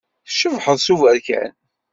Tcebḥeḍ s uberkan.